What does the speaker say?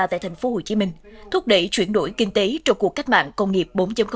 tại tp hcm thúc đẩy chuyển đổi kinh tế trong cuộc cách mạng công nghiệp bốn